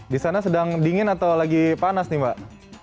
di sana sedang dingin atau lagi panas nih mbak